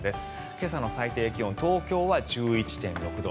今朝の最低気温東京は１１．６度。